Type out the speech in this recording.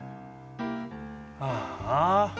ああ。